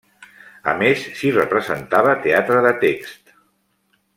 A més, s'hi representava teatre de text.